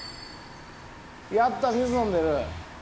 やった水飲んでる。